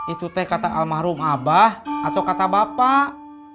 itu teh kata almarhum abah atau kata bapak